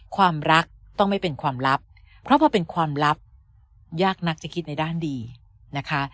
ความรักต้องไม่เป็นความลับเพราะพอเป็นความลับยากนักจะคิดในด้านดีนะคะ